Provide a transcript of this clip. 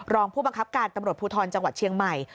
รองผู้บังคับการตำรวจภูทรจังหวัดเชียงใหม่